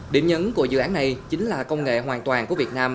điểm nhấn của dự án này chính là công nghệ hoàn toàn của việt nam